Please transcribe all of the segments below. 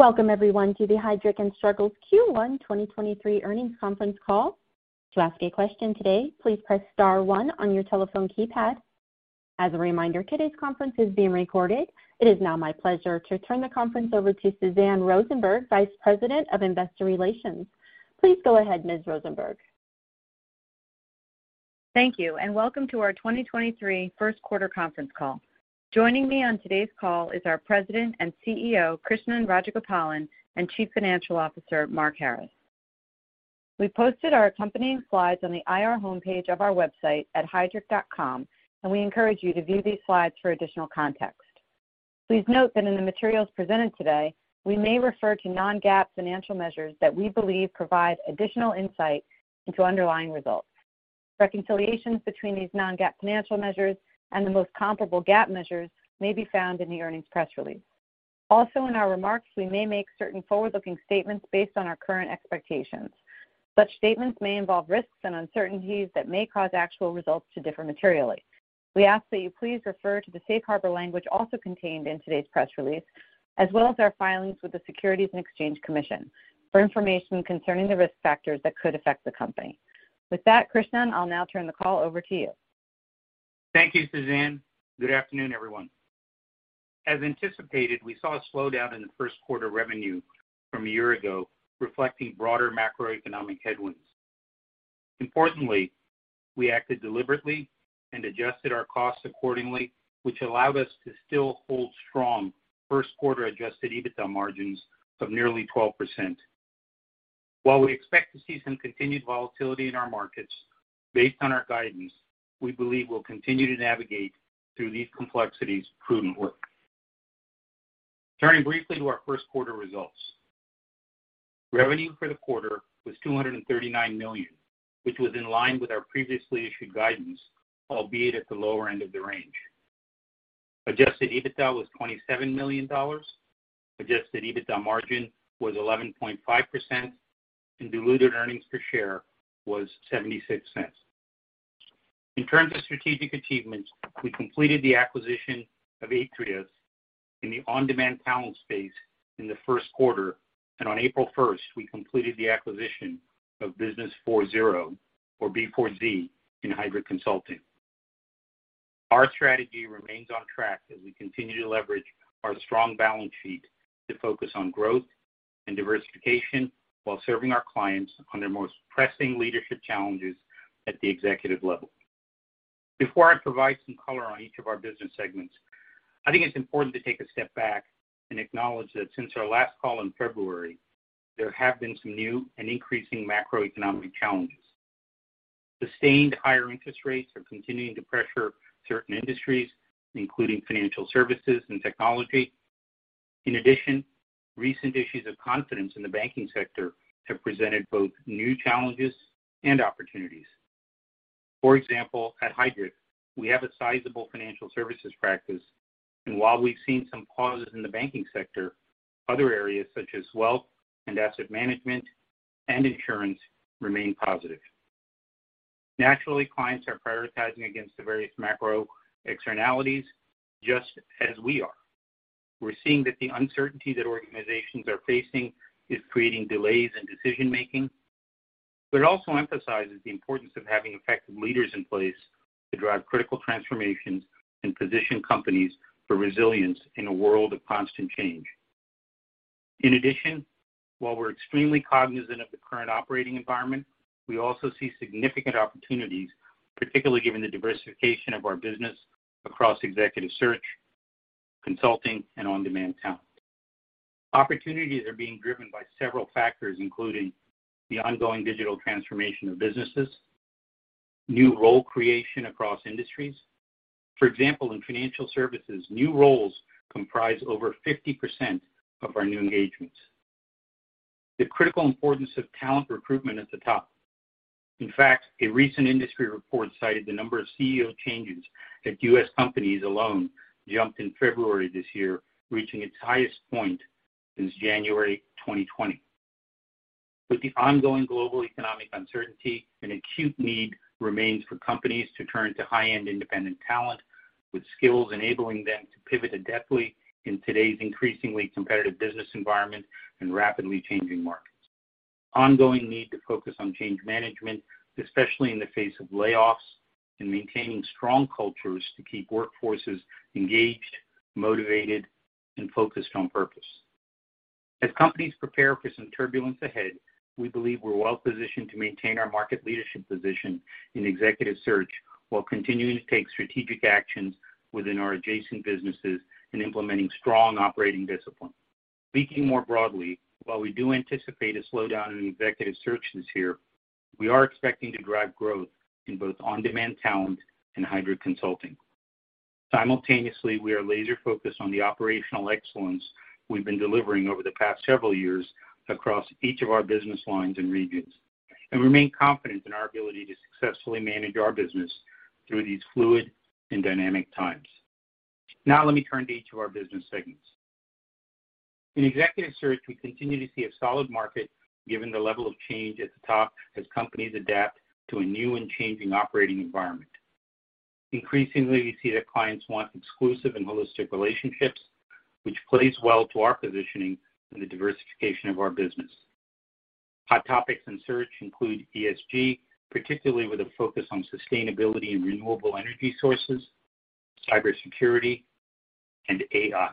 Welcome everyone to the Heidrick & Struggles Q1 2023 earnings conference call. To ask a question today, please press star one on your telephone keypad. As a reminder, today's conference is being recorded. It is now my pleasure to turn the conference over to Suzanne Rosenberg, Vice President of Investor Relations. Please go ahead, Ms. Rosenberg. Thank you, and welcome to our 2023 Q1 conference call. Joining me on today's call is our President and CEO, Krishnan Rajagopalan, and Chief Financial Officer, Mark Harris. We posted our accompanying slides on the IR homepage of our website at heidrick.com, and we encourage you to view these slides for additional context. Please note that in the materials presented today, we may refer to non-GAAP financial measures that we believe provide additional insight into underlying results. Reconciliations between these non-GAAP financial measures and the most comparable GAAP measures may be found in the earnings press release. Also, in our remarks, we may make certain forward-looking statements based on our current expectations. Such statements may involve risks and uncertainties that may cause actual results to differ materially. We ask that you please refer to the safe harbor language also contained in today's press release, as well as our filings with the Securities and Exchange Commission for information concerning the risk factors that could affect the company. With that, Krishnan, I'll now turn the call over to you. Thank you, Suzanne. Good afternoon, everyone. As anticipated, we saw a slowdown in the Q1 revenue from a year ago, reflecting broader macroeconomic headwinds. Importantly, we acted deliberately and adjusted our costs accordingly, which allowed us to still hold strong Q1 Adjusted EBITDA margins of nearly 12%. While we expect to see some continued volatility in our markets, based on our guidance, we believe we'll continue to navigate through these complexities prudently. Turning briefly to our Q1 results. Revenue for the quarter was $239 million, which was in line with our previously issued guidance, albeit at the lower end of the range. Adjusted EBITDA was $27 million. Adjusted EBITDA margin was 11.5%. Diluted earnings per share was $0.76. In terms of strategic achievements, we completed the acquisition of Atreus in the On-Demand Talent space in the Q1. On April first, we completed the acquisition of businessfourzero or B four Z in Heidrick Consulting. Our strategy remains on track as we continue to leverage our strong balance sheet to focus on growth and diversification while serving our clients on their most pressing leadership challenges at the executive level. Before I provide some color on each of our business segments, I think it's important to take a step back and acknowledge that since our last call in February, there have been some new and increasing macroeconomic challenges. Sustained higher interest rates are continuing to pressure certain industries, including financial services and technology. In addition, recent issues of confidence in the banking sector have presented both new challenges and opportunities. For example, at Heidrick, we have a sizable financial services practice. While we've seen some pauses in the banking sector, other areas such as wealth and asset management and insurance remain positive. Naturally, clients are prioritizing against the various macro externalities, just as we are. We're seeing that the uncertainty that organizations are facing is creating delays in decision-making. It also emphasizes the importance of having effective leaders in place to drive critical transformations and position companies for resilience in a world of constant change. In addition, while we're extremely cognizant of the current operating environment, we also see significant opportunities, particularly given the diversification of our business across executive search, consulting, and On-Demand Talent. Opportunities are being driven by several factors, including the ongoing digital transformation of businesses, new role creation across industries. For example, in financial services, new roles comprise over 50% of our new engagements. The critical importance of talent recruitment at the top. In fact, a recent industry report cited the number of CEO changes at U.S. companies alone jumped in February this year, reaching its highest point since January 2020. With the ongoing global economic uncertainty, an acute need remains for companies to turn to high-end independent talent with skills enabling them to pivot adeptly in today's increasingly competitive business environment and rapidly changing markets. Ongoing need to focus on change management, especially in the face of layoffs and maintaining strong cultures to keep workforces engaged, motivated, and focused on purpose. As companies prepare for some turbulence ahead, we believe we're well-positioned to maintain our market leadership position in executive search while continuing to take strategic actions within our adjacent businesses and implementing strong operating discipline. Speaking more broadly, while we do anticipate a slowdown in executive search this year, we are expecting to drive growth in both On-Demand Talent and Heidrick Consulting. Simultaneously, we are laser-focused on the operational excellence we've been delivering over the past several years across each of our business lines and regions and remain confident in our ability to successfully manage our business through these fluid and dynamic times. Now let me turn to each of our business segments. In executive search, we continue to see a solid market given the level of change at the top as companies adapt to a new and changing operating environment. Increasingly, we see that clients want exclusive and holistic relationships, which plays well to our positioning and the diversification of our business. Hot topics in search include ESG, particularly with a focus on sustainability and renewable energy sources, cybersecurity, and AI.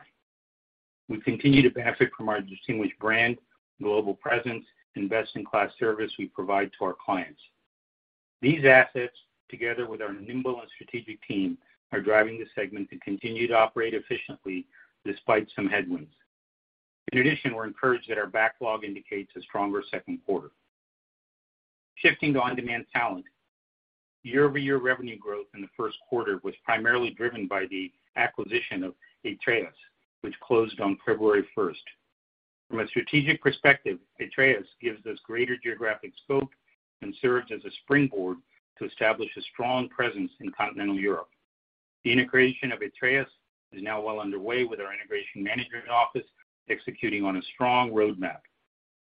We continue to benefit from our distinguished brand, global presence, and best-in-class service we provide to our clients. These assets, together with our nimble and strategic team, are driving the segment to continue to operate efficiently despite some headwinds. We're encouraged that our backlog indicates a stronger 2nd quarter. Shifting to On-Demand Talent. Year-over-year revenue growth in the 1st quarter was primarily driven by the acquisition of Atreus, which closed on February 1st. From a strategic perspective, Atreus gives us greater geographic scope and serves as a springboard to establish a strong presence in continental Europe. The integration of Atreus is now well underway with our integration management office executing on a strong roadmap.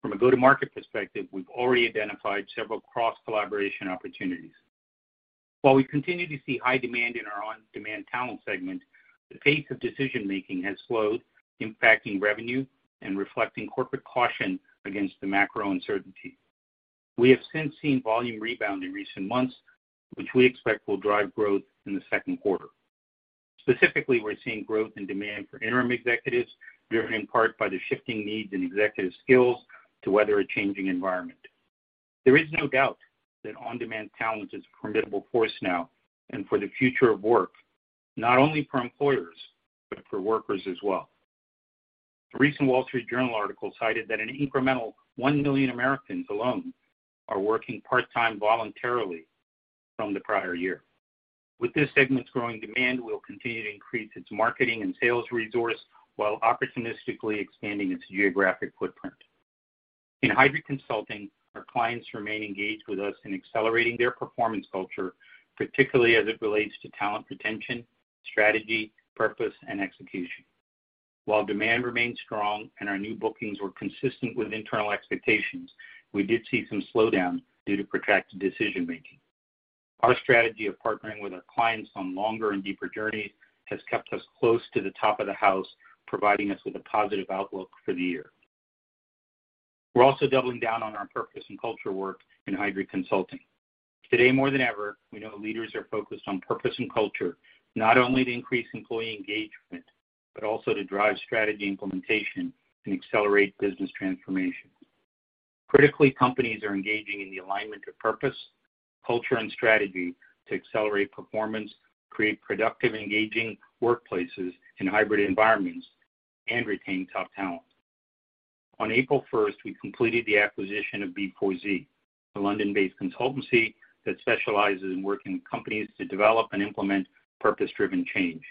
From a go-to-market perspective, we've already identified several cross-collaboration opportunities. While we continue to see high demand in our On-Demand Talent segment, the pace of decision-making has slowed, impacting revenue and reflecting corporate caution against the macro uncertainty. We have since seen volume rebound in recent months, which we expect will drive growth in the Q2. Specifically, we're seeing growth and demand for interim executives, driven in part by the shifting needs and executive skills to weather a changing environment. There is no doubt that On-Demand Talent is a formidable force now and for the future of work, not only for employers, but for workers as well. The recent Wall Street Journal article cited that an incremental 1 million Americans alone are working part-time voluntarily from the prior year. With this segment's growing demand, we'll continue to increase its marketing and sales resource while opportunistically expanding its geographic footprint. In Heidrick Consulting, our clients remain engaged with us in accelerating their performance culture, particularly as it relates to talent retention, strategy, purpose, and execution. While demand remains strong and our new bookings were consistent with internal expectations, we did see some slowdown due to protracted decision-making. Our strategy of partnering with our clients on longer and deeper journeys has kept us close to the top of the house, providing us with a positive outlook for the year. We're also doubling down on our purpose and culture work in Heidrick Consulting. Today more than ever, we know leaders are focused on purpose and culture, not only to increase employee engagement, but also to drive strategy implementation and accelerate business transformation. Critically, companies are engaging in the alignment of purpose, culture, and strategy to accelerate performance, create productive, engaging workplaces in hybrid environments, and retain top talent. On April 1st, we completed the acquisition of B Four Z, a London-based consultancy that specializes in working with companies to develop and implement purpose-driven change.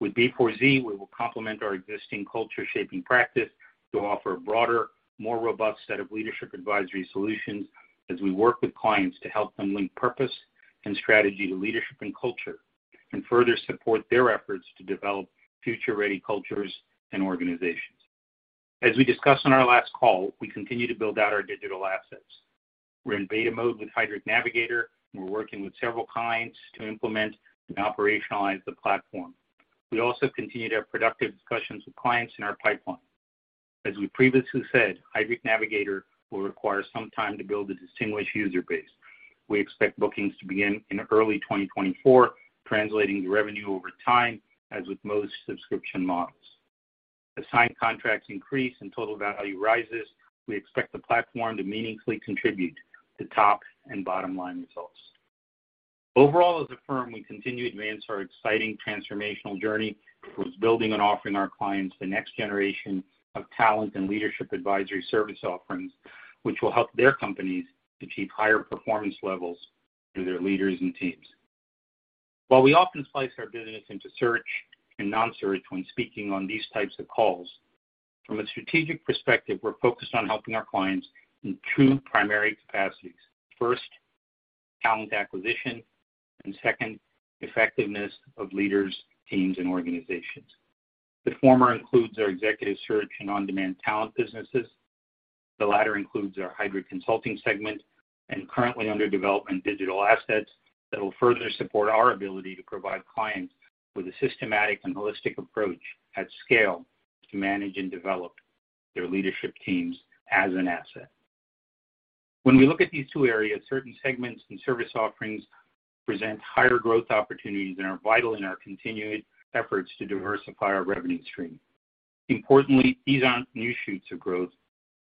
With B Four Z, we will complement our existing culture shaping practice to offer a broader, more robust set of leadership advisory solutions as we work with clients to help them link purpose and strategy to leadership and culture, further support their efforts to develop future-ready cultures and organizations. As we discussed on our last call, we continue to build out our digital assets. We're in beta mode with Heidrick Navigator. We're working with several clients to implement and operationalize the platform. We also continue to have productive discussions with clients in our pipeline. As we previously said, Heidrick Navigator will require some time to build a distinguished user base. We expect bookings to begin in early 2024, translating to revenue over time, as with most subscription models. As signed contracts increase and total value rises, we expect the platform to meaningfully contribute to top and bottom-line results. Overall, as a firm, we continue to advance our exciting transformational journey towards building and offering our clients the next generation of talent and leadership advisory service offerings, which will help their companies achieve higher performance levels through their leaders and teams. While we often slice our business into search and non-search when speaking on these types of calls, from a strategic perspective, we're focused on helping our clients in two primary capacities. First, talent acquisition, and second, effectiveness of leaders, teams, and organizations. The former includes our executive search and On-Demand Talent businesses. The latter includes our Heidrick Consulting segment and currently under development digital assets that will further support our ability to provide clients with a systematic and holistic approach at scale to manage and develop their leadership teams as an asset. When we look at these two areas, certain segments and service offerings present higher growth opportunities and are vital in our continued efforts to diversify our revenue stream. Importantly, these aren't new shoots of growth,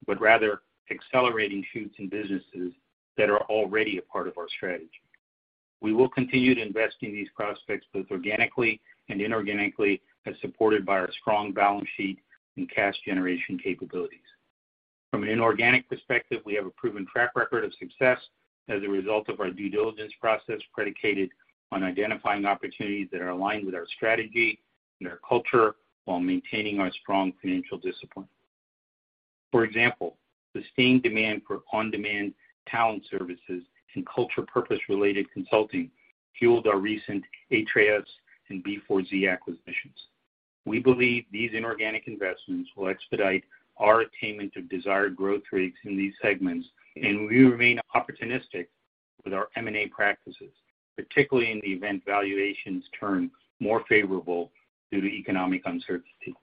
but rather accelerating shoots in businesses that are already a part of our strategy. We will continue to invest in these prospects both organically and inorganically, as supported by our strong balance sheet and cash generation capabilities. From an inorganic perspective, we have a proven track record of success as a result of our due diligence process, predicated on identifying opportunities that are aligned with our strategy and our culture while maintaining our strong financial discipline. For example, the sustained demand for On-Demand Talent services and culture purpose-related consulting fueled our recent Atreus and B four Z acquisitions. We believe these inorganic investments will expedite our attainment of desired growth rates in these segments, and we remain opportunistic with our M&A practices, particularly in the event valuations turn more favorable due to economic uncertainty.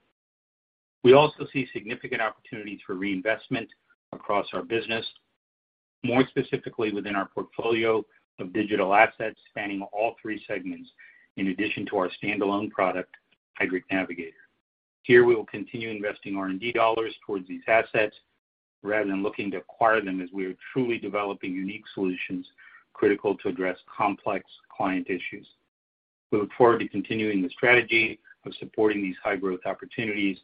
We also see significant opportunities for reinvestment across our business, more specifically within our portfolio of digital assets spanning all three segments, in addition to our standalone product, Heidrick Navigator. Here, we will continue investing R&D dollars towards these assets rather than looking to acquire them as we are truly developing unique solutions critical to address complex client issues. We look forward to continuing the strategy of supporting these high growth opportunities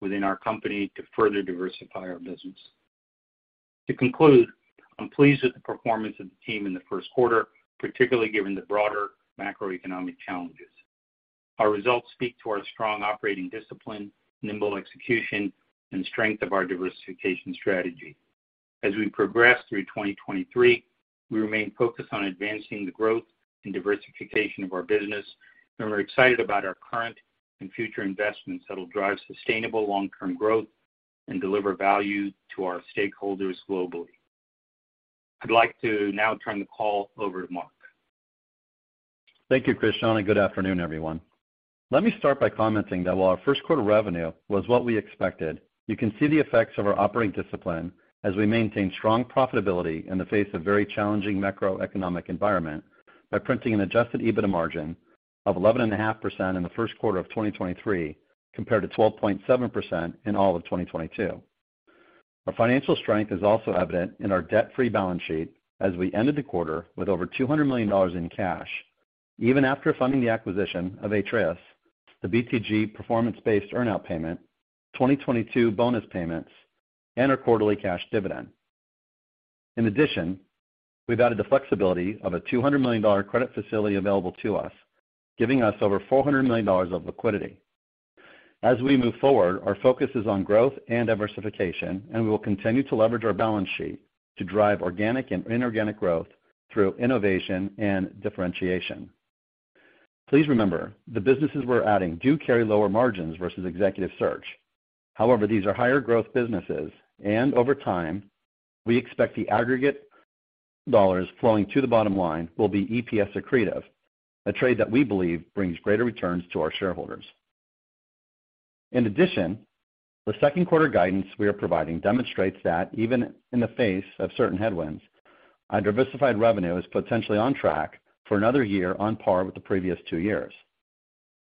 within our company to further diversify our business. To conclude, I'm pleased with the performance of the team in the Q1, particularly given the broader macroeconomic challenges. Our results speak to our strong operating discipline, nimble execution, and strength of our diversification strategy. As we progress through 2023, we remain focused on advancing the growth and diversification of our business, and we're excited about our current and future investments that will drive sustainable long-term growth and deliver value to our stakeholders globally. I'd like to now turn the call over to Mark. Thank you, Krishnan, and good afternoon, everyone. Let me start by commenting that while our Q1 revenue was what we expected, you can see the effects of our operating discipline as we maintain strong profitability in the face of very challenging macroeconomic environment by printing an Adjusted EBITDA margin of 11.5% in the Q1 of 2023 compared to 12.7% in all of 2022. Our financial strength is also evident in our debt-free balance sheet as we ended the quarter with over $200 million in cash even after funding the acquisition of Atreus, the BTG performance-based earn-out payment, 2022 bonus payments, and our quarterly cash dividend. In addition, we've added the flexibility of a $200 million credit facility available to us, giving us over $400 million of liquidity. As we move forward, our focus is on growth and diversification, we will continue to leverage our balance sheet to drive organic and inorganic growth through innovation and differentiation. Please remember, the businesses we're adding do carry lower margins versus executive search. However, these are higher growth businesses, and over time, we expect the aggregate dollars flowing to the bottom line will be EPS accretive, a trade that we believe brings greater returns to our shareholders. In addition, the Q2 guidance we are providing demonstrates that even in the face of certain headwinds, our diversified revenue is potentially on track for another year on par with the previous two years.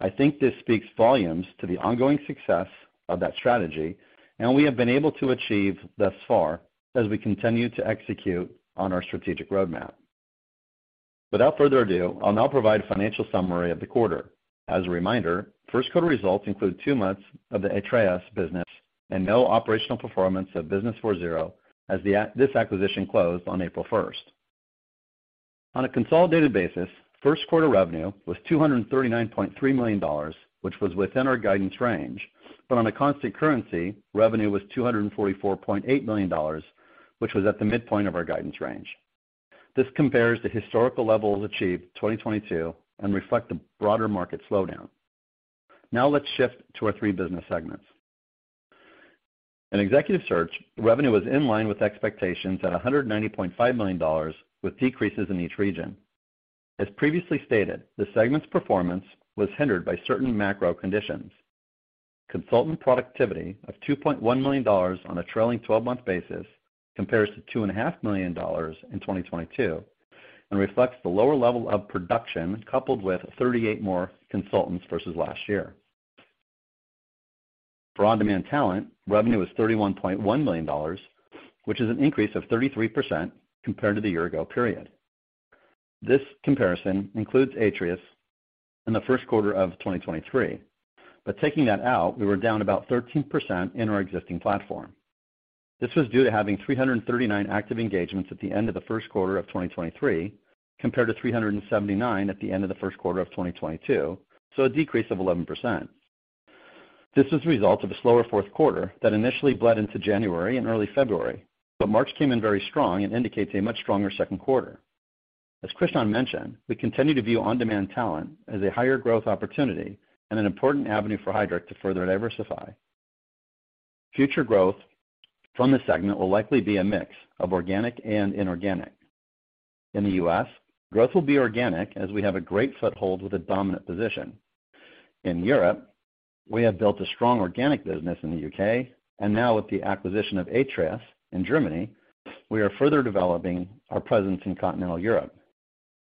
I think this speaks volumes to the ongoing success of that strategy, and we have been able to achieve thus far as we continue to execute on our strategic roadmap. Without further ado, I'll now provide a financial summary of the quarter. As a reminder, Q1 results include two months of the Atreus business and no operational performance of businessfourzero as this acquisition closed on April first. On a consolidated basis, Q1 revenue was $239.3 million which was within our guidance range. On a constant currency, revenue was $244.8 million which was at the midpoint of our guidance range. This compares to historical levels achieved 2022 and reflect the broader market slowdown. Let's shift to our three business segments. In executive search, revenue was in line with expectations at $190.5 million with decreases in each region. As previously stated, the segment's performance was hindered by certain macro conditions. Consultant productivity of $2.1 million on a trailing twelve-month basis compares to $2.5 million in 2022 and reflects the lower level of production, coupled with 38 more consultants versus last year. For On-Demand Talent, revenue was $31.1 million, which is an increase of 33% compared to the year ago period. This comparison includes Atreus in the Q1 of 2023. Taking that out, we were down about 13% in our existing platform. This was due to having 339 active engagements at the end of the Q1 of 2023 compared to 379 at the end of the Q1 of 2022, a decrease of 11%. This was a result of a slower Q4 that initially bled into January and early February, March came in very strong and indicates a much stronger Q2. As Krishnan mentioned, we continue to view On-Demand Talent as a higher growth opportunity and an important avenue for Heidrick to further diversify. Future growth from this segment will likely be a mix of organic and inorganic. In the U.S., growth will be organic as we have a great foothold with a dominant position. In Europe, we have built a strong organic business in the U.K., now with the acquisition of Atreus in Germany, we are further developing our presence in continental Europe.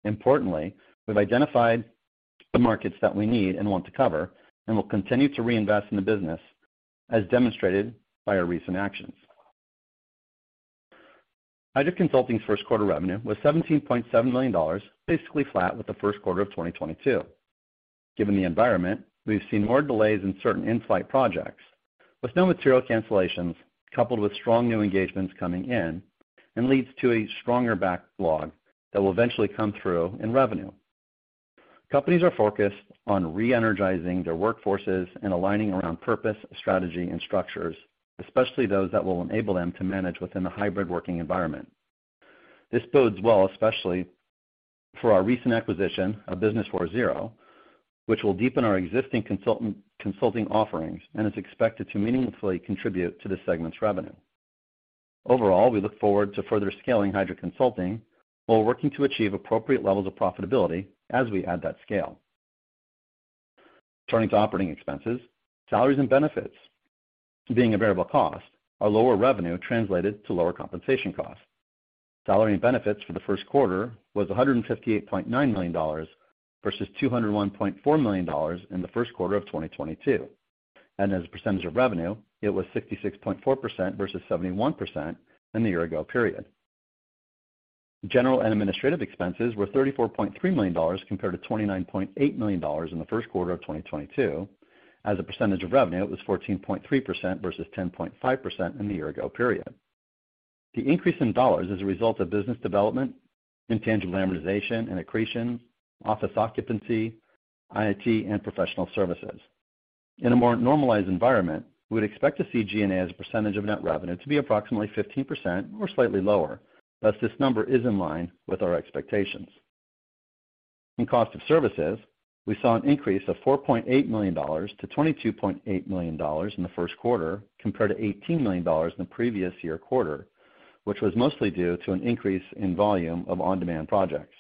Importantly, we've identified the markets that we need and want to cover and will continue to reinvest in the business, as demonstrated by our recent actions. Heidrick Consulting's Q1 revenue was $17.7 million, basically flat with the Q1 of 2022. Given the environment, we've seen more delays in certain in-flight projects. With no material cancellations, coupled with strong new engagements coming in, and leads to a stronger backlog that will eventually come through in revenue. Companies are focused on re-energizing their workforces and aligning around purpose, strategy, and structures, especially those that will enable them to manage within the hybrid working environment. This bodes well especially for our recent acquisition of businessfourzero, which will deepen our existing consulting offerings and is expected to meaningfully contribute to the segment's revenue. Overall, we look forward to further scaling Heidrick Consulting while working to achieve appropriate levels of profitability as we add that scale. Turning to operating expenses, salaries and benefits being a variable cost, our lower revenue translated to lower compensation costs. Salary and benefits for the Q1 was $158.9 million versus $201.4 million in the Q1 of 2022. As a percentage of revenue, it was 66.4% versus 71% in the period. general and administrative expenses were $34.3 million compared to $29.8 million in the Q1 of 2022. as a percentage of revenue, it was 14.3% versus 10.5% in the year-ago period. The increase in dollars is a result of business development, intangible amortization and accretion, office occupancy, IT, and professional services. In a more normalized environment, we would expect to see G&A as a % of net revenue to be approximately 15% or slightly lower, thus this number is in line with our expectations. In cost of services, we saw an increase of $4.8 to 22.8 million in the Q1 compared to $18 million in the previous year quarter, which was mostly due to an increase in volume of On-Demand projects.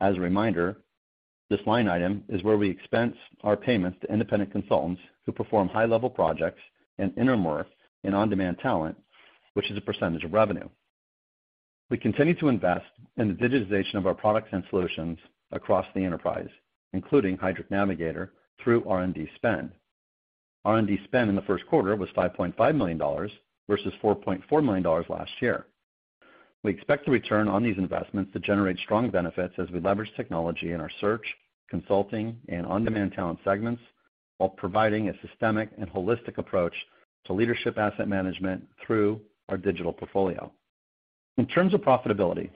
As a reminder, this line item is where we expense our payments to independent consultants who perform high-level projects and interim work in On-Demand Talent, which is a % of revenue. We continue to invest in the digitization of our products and solutions across the enterprise, including Heidrick Navigator through R&D spend. R&D spend in the Q1 was $5.5 million versus $4.4 million last year. We expect the return on these investments to generate strong benefits as we leverage technology in our search, consulting and On-Demand Talent segments, while providing a systemic and holistic approach to leadership asset management through our digital portfolio. In terms of profitability,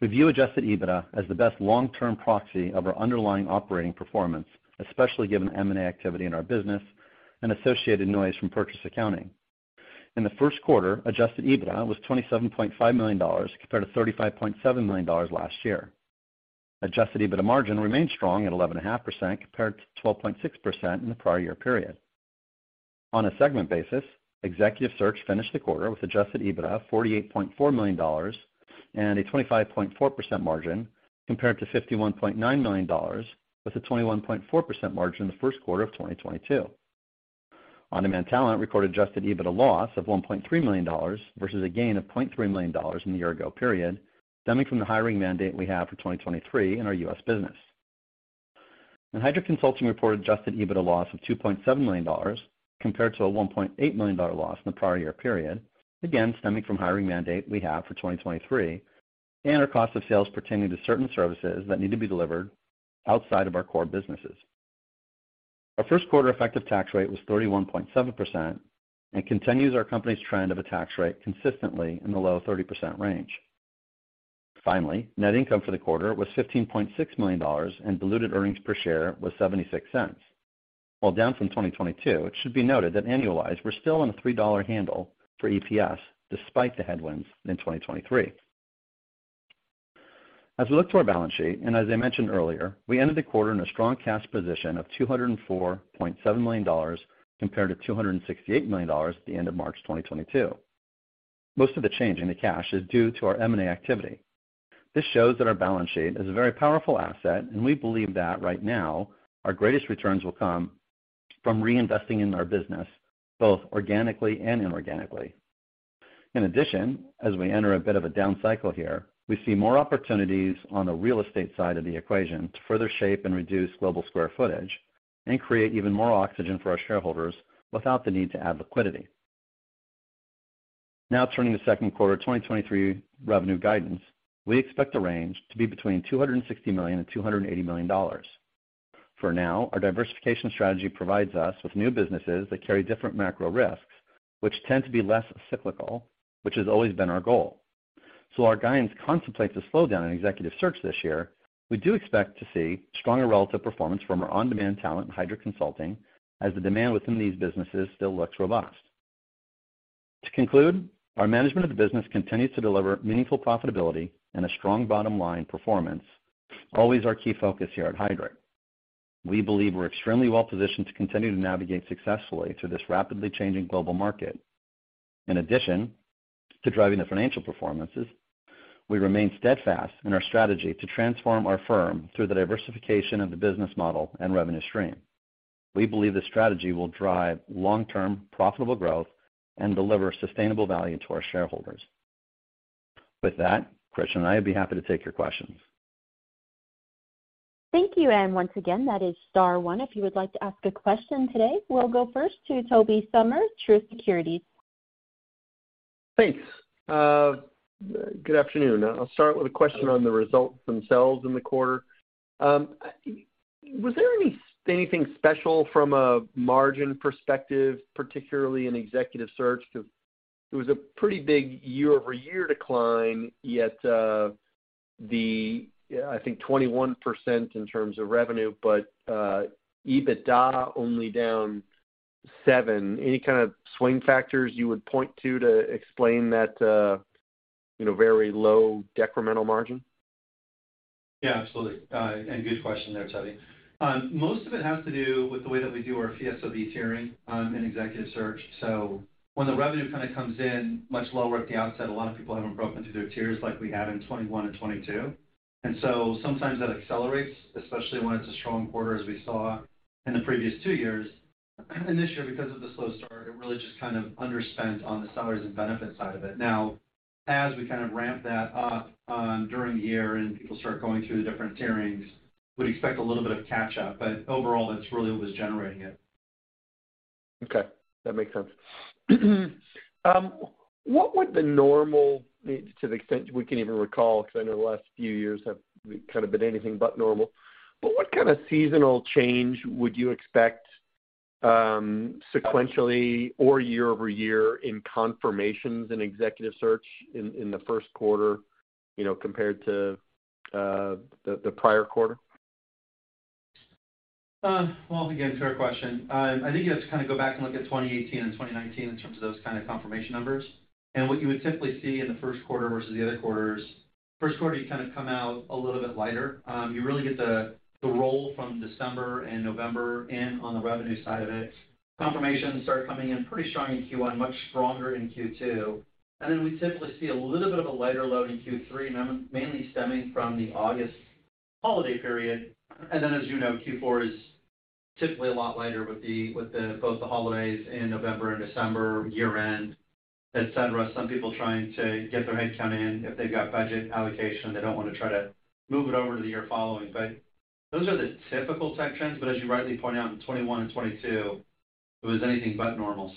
we view Adjusted EBITDA as the best long-term proxy of our underlying operating performance, especially given M&A activity in our business and associated noise from purchase accounting. In the Q1, Adjusted EBITDA was $27.5 million compared to $35.7 million last year. Adjusted EBITDA margin remained strong at 11.5% compared to 12.6% in the prior year period. On a segment basis, executive search finished the quarter with Adjusted EBITDA of $48.4 million and a 25.4% margin compared to $51.9 million with a 21.4% margin in the Q1 of 2022. On-Demand Talent recorded Adjusted EBITDA loss of $1.3 million versus a gain of $0.3 million in the year ago period, stemming from the hiring mandate we have for 2023 in our U.S. business. Heidrick Consulting reported Adjusted EBITDA loss of $2.7 million compared to a $1.8 million loss in the prior year period. Again, stemming from hiring mandate we have for 2023 and our cost of sales pertaining to certain services that need to be delivered outside of our core businesses. Our Q1 effective tax rate was 31.7% and continues our company's trend of a tax rate consistently in the low 30% range. Net income for the quarter was $15.6 million and diluted earnings per share was $0.76. While down from 2022, it should be noted that annualized, we're still in the $3 handle for EPS despite the headwinds in 2023. We ended the quarter in a strong cash position of $204.7 million compared to $268 million at the end of March 2022. Most of the change in the cash is due to our M&A activity. This shows that our balance sheet is a very powerful asset. We believe that right now our greatest returns will come from reinvesting in our business both organically and inorganically. In addition, as we enter a bit of a down cycle here, we see more opportunities on the real estate side of the equation to further shape and reduce global square footage and create even more oxygen for our shareholders without the need to add liquidity. Now turning to Q2 2023 revenue guidance. We expect the range to be between $260 million and $280 million. For now, our diversification strategy provides us with new businesses that carry different macro risks, which tend to be less cyclical, which has always been our goal. While our guidance contemplates a slowdown in executive search this year, we do expect to see stronger relative performance from our On-Demand Talent and Heidrick Consulting as the demand within these businesses still looks robust. To conclude, our management of the business continues to deliver meaningful profitability and a strong bottom-line performance. Always our key focus here at Heidrick. We believe we're extremely well positioned to continue to navigate successfully through this rapidly changing global market. In addition to driving the financial performances, we remain steadfast in our strategy to transform our firm through the diversification of the business model and revenue stream. We believe this strategy will drive long-term profitable growth and deliver sustainable value to our shareholders. With that, Krishnan and I will be happy to take your questions. Thank you. Once again, that is star one if you would like to ask a question today. We'll go first to Tobey Sommer, Truist Securities. Thanks. Good afternoon. I'll start with a question on the results themselves in the quarter. Was there anything special from a margin perspective, particularly in executive search? Cause it was a pretty big year-over-year decline, yet. The, I think 21% in terms of revenue, but EBITDA only down 7%. Any kind of swing factors you would point to explain that, you know, very low decremental margin? Yeah, absolutely. Good question there, Tobey. Most of it has to do with the way that we do our fee SOV tiering in executive search. When the revenue kind of comes in much lower at the outset, a lot of people haven't broken through their tiers like we have in 2021 and 2022. Sometimes that accelerates, especially when it's a strong quarter as we saw in the previous two years. This year, because of the slow start, it really just kind of underspent on the sellers and benefit side of it. As we kind of ramp that up during the year and people start going through the different tierings, would expect a little bit of catch-up, but overall, that's really what was generating it. Okay, that makes sense. What would the normal, to the extent we can even recall, because I know the last few years have kind of been anything but normal, but what kind of seasonal change would you expect, sequentially or year-over-year in confirmations in executive search in the Q1, you know, compared to the prior quarter? Well, again, fair question. I think you have to kind of go back and look at 2018 and 2019 in terms of those kinds of confirmation numbers. What you would typically see in the Q1 versus the other quarters, Q1, you kind of come out a little bit lighter. You really get the roll from December and November in on the revenue side of it. Confirmations start coming in pretty strong in Q1, much stronger in Q2. Then we typically see a little bit of a lighter load in Q3, mainly stemming from the August holiday period. Then as you know, Q4 is typically a lot lighter with the, both the holidays in November and December, year-end, et cetera. Some people trying to get their headcount in if they've got budget allocation, they don't want to try to move it over to the year following. Those are the typical type trends. As you rightly point out, in 2021 and 2022, it was anything but normal.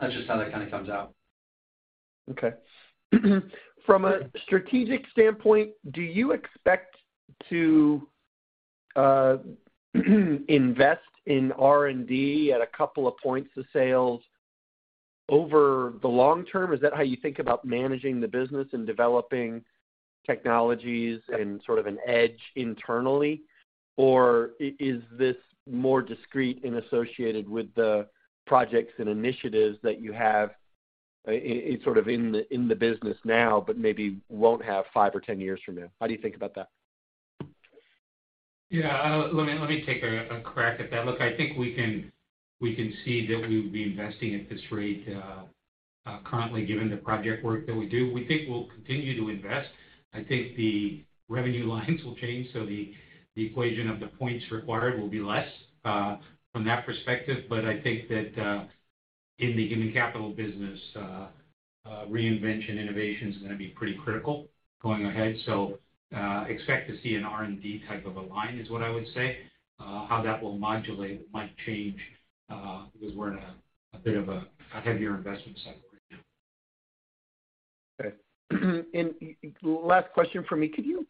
That's just how that kind of comes out. Okay. From a strategic standpoint, do you expect to invest in R&D at a couple of points of sales over the long term? Is that how you think about managing the business and developing technologies and sort of an edge internally? Is this more discrete and associated with the projects and initiatives that you have sort of in the, in the business now, but maybe won't have 5 or 10 years from now? How do you think about that? Yeah. Let me take a crack at that. Look, I think we can see that we would be investing at this rate currently, given the project work that we do. We think we'll continue to invest. I think the revenue lines will change, so the equation of the points required will be less from that perspective. I think that in the human capital business, reinvention, innovation is gonna be pretty critical going ahead. Expect to see an R&D type of a line is what I would say. How that will modulate might change because we're in a bit of a heavier investment cycle right now. Okay. Last question for me. Could you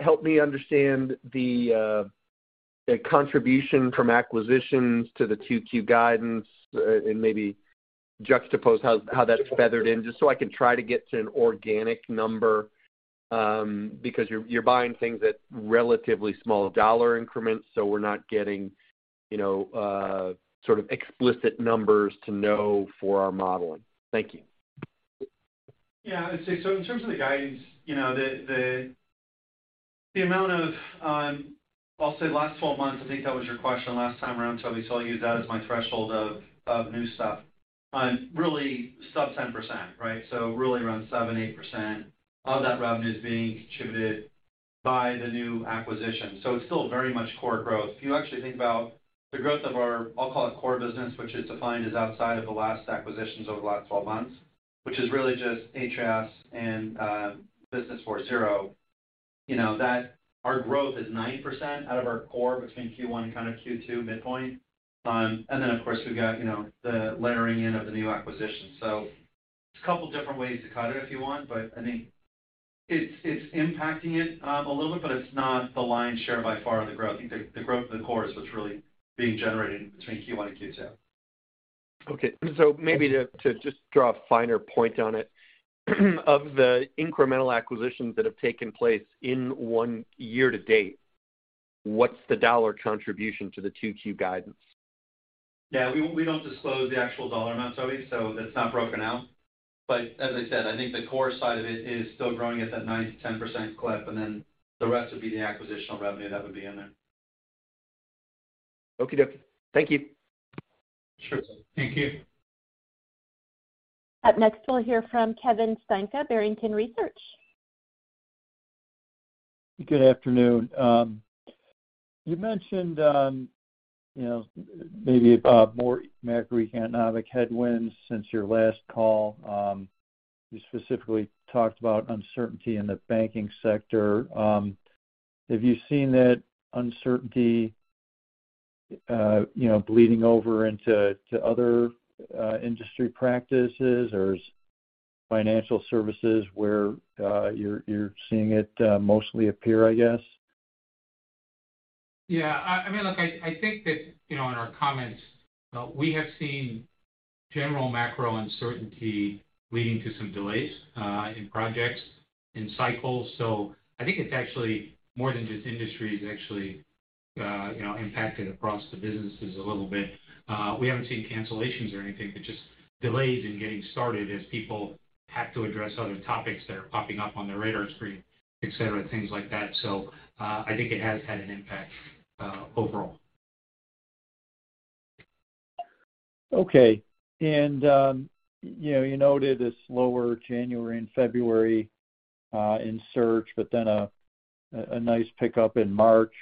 help me understand the contribution from acquisitions to the 2Q guidance and maybe juxtapose how that's feathered in, just so I can try to get to an organic number? You're buying things at relatively small dollar increments, so we're not getting, you know, sort of explicit numbers to know for our modeling. Thank you. Yeah. In terms of the guidance, you know, the, the amount of, I'll say last 12 months, I think that was your question last time around, Toby, I'll use that as my threshold of new stuff. Really sub 10%, right? Really around 7%, 8% of that revenue is being contributed by the new acquisition. It's still very much core growth. If you actually think about the growth of our, I'll call it core business, which is defined as outside of the last acquisitions over the last 12 months, which is really just HRS and businessfourzero. You know, that our growth is 9% out of our core between Q1 and kind of Q2 midpoint. Of course, we've got, you know, the layering in of the new acquisition. There's a couple different ways to cut it if you want, but I think it's impacting it, a little bit, but it's not the lion's share by far of the growth. The growth of the core is what's really being generated between Q1 and Q2. Okay. Maybe to just draw a finer point on it, of the incremental acquisitions that have taken place in 1 year to date, what's the $ contribution to the 2Q guidance? Yeah. We don't disclose the actual dollar amounts, Tobey. That's not broken out. As I said, I think the core side of it is still growing at that 9%-10% clip. The rest would be the acquisitional revenue that would be in there. Okie dokie. Thank you. Sure. Thank you. Up next, we'll hear from Kevin Steinke, Barrington Research. Good afternoon. You mentioned, you know, maybe about more macroeconomic headwinds since your last call. You specifically talked about uncertainty in the banking sector. Have you seen that uncertainty, you know, bleeding over into, to other industry practices or financial services where, you're seeing it, mostly appear, I guess? Yeah, I mean, look, I think that, you know, in our comments, we have seen general macro uncertainty leading to some delays, in projects, in cycles. I think it's actually more than just industries actually, you know, impacted across the businesses a little bit. We haven't seen cancellations or anything, but just delays in getting started as people have to address other topics that are popping up on their radar screen, et cetera, things like that. I think it has had an impact, overall. Okay. You know, you noted a slower January and February in search, but then a nice pickup in March.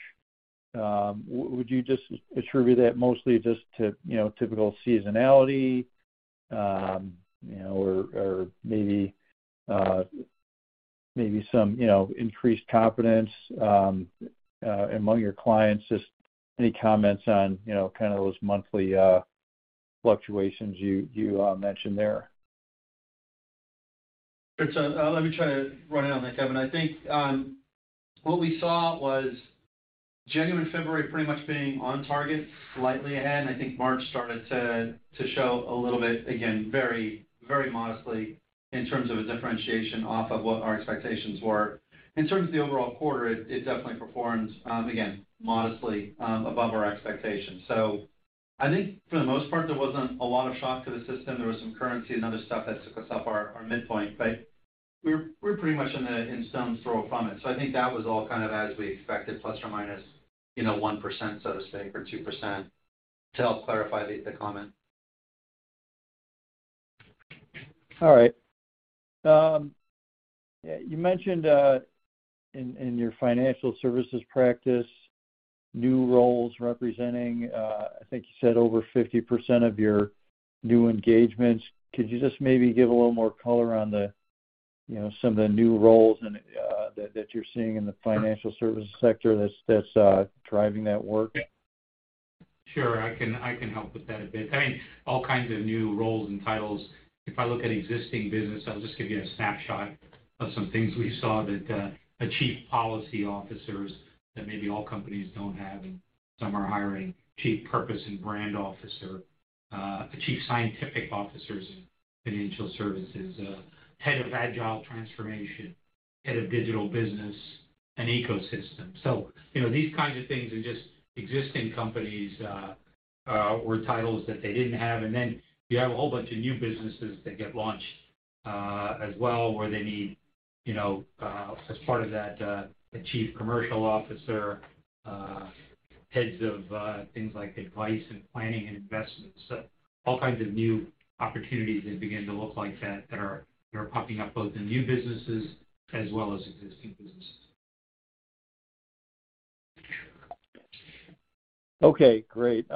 Would you just attribute that mostly just to, you know, typical seasonality, you know, or maybe some, you know, increased confidence among your clients? Just any comments on, you know, kind of those monthly fluctuations you mentioned there. Sure. Let me try to run it on that, Kevin. I think, what we saw was January and February pretty much being on target, slightly ahead, and I think March started to show a little bit, again, very, very modestly in terms of a differentiation off of what our expectations were. In terms of the overall quarter, it definitely performed, again, modestly, above our expectations. I think for the most part, there wasn't a lot of shock to the system. There was some currency and other stuff that took us off our midpoint, but we're pretty much in stone's throw from it. I think that was all kind of as we expected, plus or minus, you know, 1%, so to say, or 2%, to help clarify the comment. All right. You mentioned in your financial services practice, new roles representing I think you said over 50% of your new engagements. Could you just maybe give a little more color on the, you know, some of the new roles and that you're seeing in the financial services sector that's driving that work? Sure. I can help with that a bit. I mean, all kinds of new roles and titles. If I look at existing business, I'll just give you a snapshot of some things we saw that, a Chief Policy Officers that maybe all companies don't have, and some are hiring. Chief Purpose and Brand Officer, a Chief Scientific Officers in financial services, Head of Agile Transformation, Head of Digital Business and Ecosystem. You know, these kinds of things are just existing companies, or titles that they didn't have. Then you have a whole bunch of new businesses that get launched, as well, where they need, you know, as part of that, a Chief Commercial Officer, Heads of things like advice and planning and investments. All kinds of new opportunities that begin to look like that are popping up both in new businesses as well as existing businesses. Okay, great.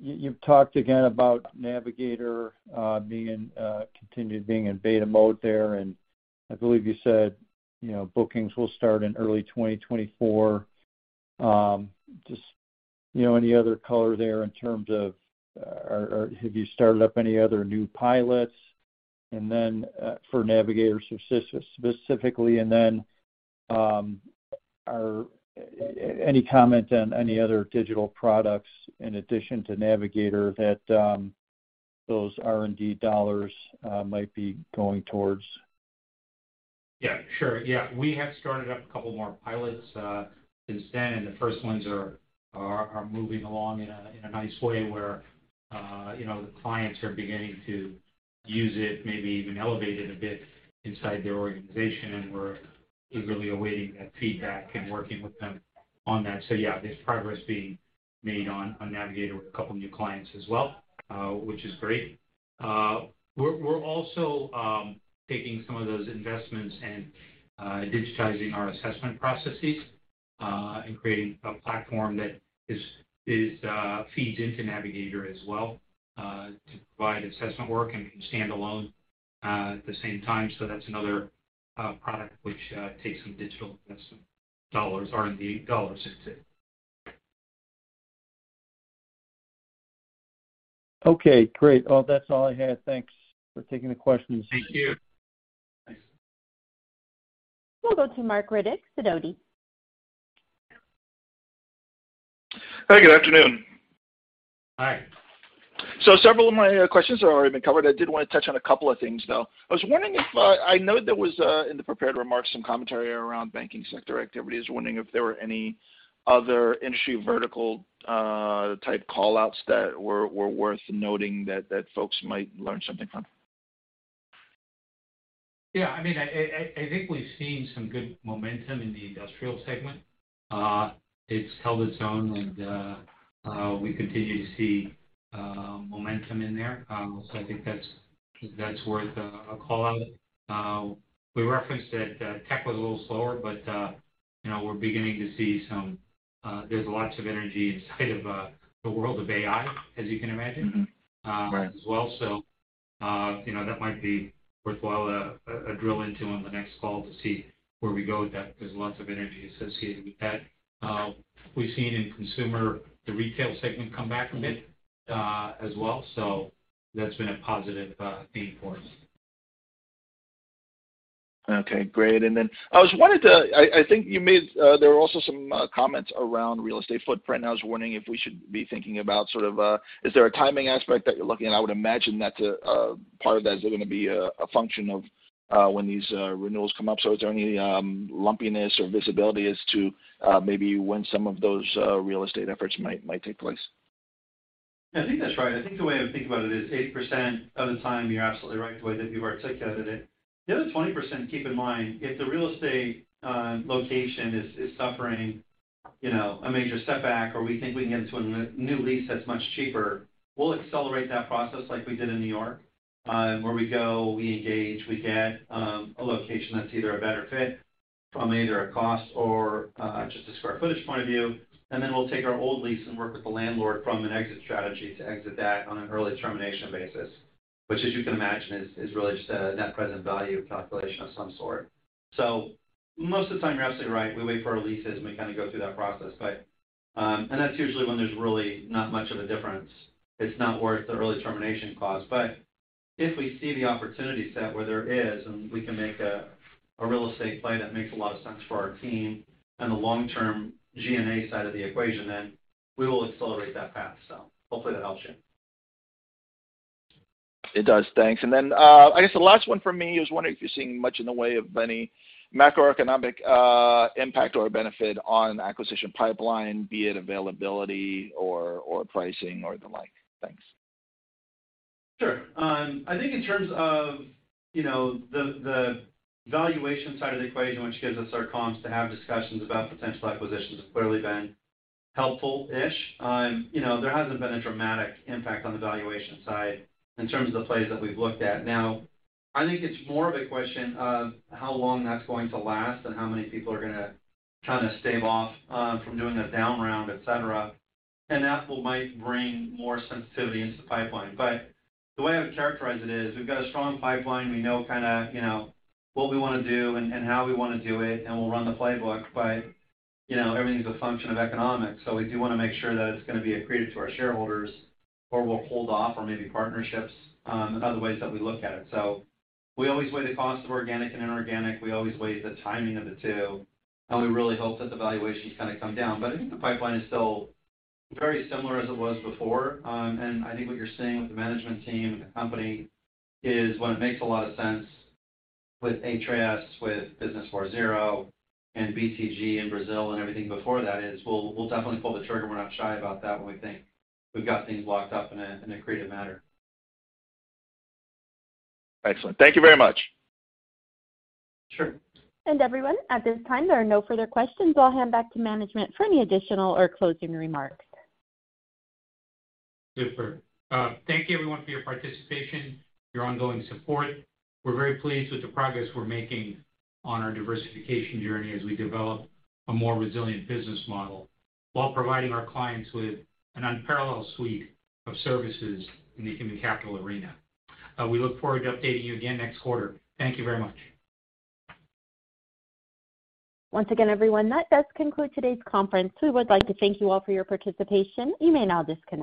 You've talked again about Navigator, being, continued being in beta mode there, and I believe you said, you know, bookings will start in early 2024. Just, you know, any other color there in terms of. Have you started up any other new pilots? For Navigator specifically, and then, any comment on any other digital products in addition to Navigator that, those R&D dollars, might be going towards? Yeah, sure. Yeah, we have started up a couple more pilots since then, the first ones are moving along in a nice way where, you know, the clients are beginning to use it, maybe even elevate it a bit inside their organization. We're eagerly awaiting that feedback and working with them on that. Yeah, there's progress being made on Navigator with a couple of new clients as well, which is great. We're also taking some of those investments and digitizing our assessment processes and creating a platform that is feeds into Navigator as well, to provide assessment work and can stand alone at the same time. That's another product which takes some digital investment dollars, R&D dollars into it. Okay, great. Well, that's all I had. Thanks for taking the questions. Thank you. Thanks. We'll go to Mark Riddick, Sidoti. Hey, good afternoon. Hi. Several of my questions have already been covered. I did want to touch on a couple of things, though. I was wondering if I know there was in the prepared remarks, some commentary around banking sector activity. I was wondering if there were any other industry vertical type call-outs that were worth noting that folks might learn something from. Yeah, I mean, I think we've seen some good momentum in the industrial segment. It's held its own, we continue to see momentum in there. I think that's worth a call-out. We referenced that tech was a little slower, you know, we're beginning to see some... There's lots of energy inside of the world of AI, as you can imagine. Right as well. You know, that might be worthwhile to drill into on the next call to see where we go with that. There's lots of energy associated with that. We've seen in consumer, the retail segment come back a bit, as well, so that's been a positive theme for us. Okay, great. I was wondering I think you made there were also some comments around real estate footprint, and I was wondering if we should be thinking about sort of, is there a timing aspect that you're looking? I would imagine that part of that is gonna be a function of when these renewals come up. Is there any lumpiness or visibility as to maybe when some of those real estate efforts might take place? I think that's right. I think the way I'm thinking about it is 80% of the time, you're absolutely right the way that you articulated it. The other 20%, keep in mind, if the real estate, location is suffering, you know, a major setback or we think we can get into a new lease that's much cheaper, we'll accelerate that process like we did in New York, where we go, we engage, we get a location that's either a better fit from either a cost or just a square footage point of view, and then we'll take our old lease and work with the landlord from an exit strategy to exit that on an early termination basis. As you can imagine is really just a net present value calculation of some sort. Most of the time, you're absolutely right, we wait for our leases, and we kinda go through that process. That's usually when there's really not much of a difference. It's not worth the early termination clause. If we see the opportunity set where there is, and we can make a real estate play that makes a lot of sense for our team and the long-term G&A side of the equation, then we will accelerate that path. Hopefully that helps you. It does. Thanks. I guess the last one for me, I was wondering if you're seeing much in the way of any macroeconomic impact or benefit on acquisition pipeline, be it availability or pricing or the like. Thanks. Sure. I think in terms of, you know, the valuation side of the equation, which gives us our comps to have discussions about potential acquisitions have clearly been helpful-ish. You know, there hasn't been a dramatic impact on the valuation side in terms of the plays that we've looked at. I think it's more of a question of how long that's going to last and how many people are gonna try to stave off from doing a down round, et cetera, and that will might bring more sensitivity into the pipeline. The way I would characterize it is, we've got a strong pipeline. We know kind a, you know, what we wanna do and how we wanna do it, and we'll run the playbook. You know, everything's a function of economics, so we do wanna make sure that it's gonna be accretive to our shareholders or we'll hold off or maybe partnerships, other ways that we look at it. We always weigh the cost of organic and inorganic. We always weigh the timing of the two, and we really hope that the valuations kind a come down. I think the pipeline is still very similar as it was before. I think what you're seeing with the management team and the company is when it makes a lot of sense with Atreus, with businessfourzero and BTG in Brazil and everything before that is we'll definitely pull the trigger. We're not shy about that when we think we've got things locked up in a creative manner. Excellent. Thank you very much. Sure. Everyone, at this time, there are no further questions. I'll hand back to management for any additional or closing remarks. Super. Thank you everyone for your participation, your ongoing support. We're very pleased with the progress we're making on our diversification journey as we develop a more resilient business model while providing our clients with an unparalleled suite of services in the human capital arena. We look forward to updating you again next quarter. Thank you very much. Once again, everyone, that does conclude today's conference. We would like to thank you all for your participation. You may now disconnect.